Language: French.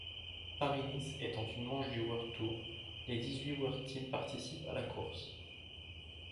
Paris-Nice étant une manche du World Tour, les dix-huit WorldTeams participent à la course.